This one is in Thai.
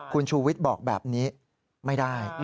คุณชูวิทย์บอกแบบนี้ไม่ได้